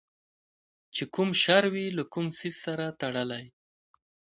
چې کوم شر وي له کوم څیز سره تړلی